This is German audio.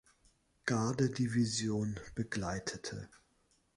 Garde-Division begleitete.